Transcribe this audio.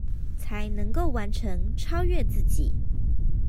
才能夠完成、超越自己